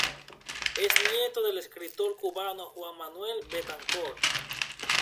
Es nieto del escritor cubano Juan Manuel Betancourt.